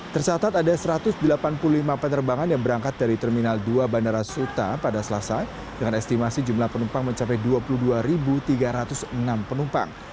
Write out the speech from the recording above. tersatat ada satu ratus delapan puluh lima penerbangan yang berangkat dari terminal dua bandara suta pada selasa dengan estimasi jumlah penumpang mencapai dua puluh dua tiga ratus enam penumpang